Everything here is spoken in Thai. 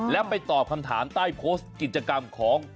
และไปตอบคำถามใต้โพสต์กิจกรรมของ